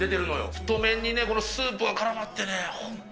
太麺にね、このスープがからまってね、本当